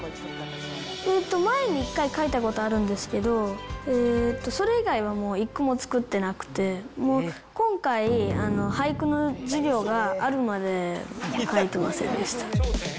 前に一回書いたことあるんですけど、それ以外はもう一個も作ってなくって、もう今回、俳句の授業があるまで書いてませんでした。